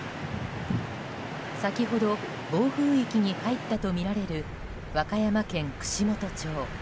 先ほど暴風域に入ったとみられる和歌山県串本町。